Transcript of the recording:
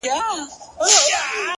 ښه دی په دې ازمايښتونو کي به ځان ووينم!